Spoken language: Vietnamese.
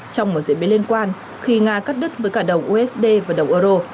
trong một diễn biến liên quan khi nga cắt đứt với cả đồng usd và đồng euro